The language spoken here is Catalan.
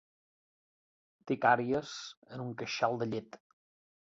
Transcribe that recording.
Té càries en un queixal de llet.